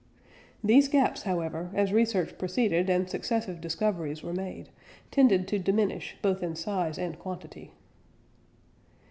These gaps, however, as research proceeded and successive discoveries were made, tended to diminish both in size and quantity.